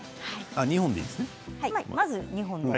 ２本でいいですか？